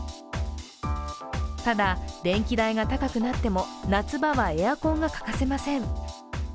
ただ、電気代が高くなっても夏場はエアコンが欠かせません。